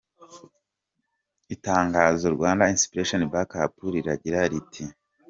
Itangazo Rwanda Inspiration Backup riragira riti: .